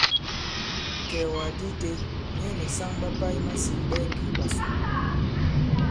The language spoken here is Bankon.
Ikɛ̀ɛ̀wàgàdi itē, nyɛ nì saŋ ɓa pà i masîn ɓɛɛ ŋgè ìɓàsu.